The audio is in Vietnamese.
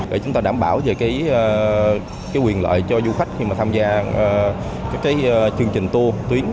để chúng ta đảm bảo về quyền lợi cho du khách khi mà tham gia các chương trình tour tuyến